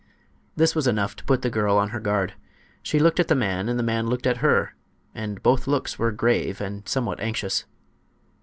This was enough to put the girl on her guard. She looked at the man and the man looked at her, and both looks were grave and somewhat anxious.